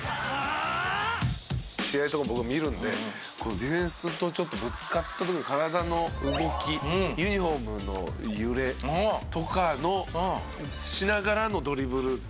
試合とか僕見るんでこのディフェンスとちょっとぶつかった時の体の動きユニホームの揺れとかのしながらのドリブルつく感じとか。